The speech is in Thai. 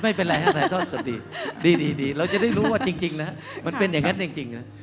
ไม่เป็นไรฮะถ่ายทอดสดดีเราจะได้รู้ว่าจริงนะมันเป็นอย่างนั้นจริงนะ